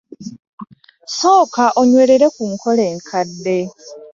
Sooka onywerere ku nkola enkadde.